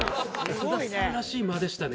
津田さんらしい間でしたね